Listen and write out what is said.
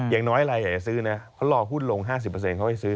อย่างน้อยเราอยากจะซื้อนะเขารอหุ้นลง๕๐เขาให้ซื้อ